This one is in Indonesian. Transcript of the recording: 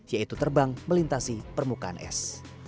yaitu terbang melintasi permukaan es